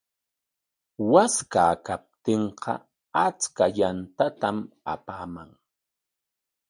Waskaa kaptinqa achka yantatam apaaman.